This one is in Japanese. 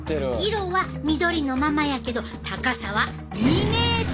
色は緑のままやけど高さは２ｍ！